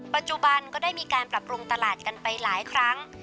ปัจจุบันก็ได้มีการปรับปรุงตลาดกันไปหลายครั้ง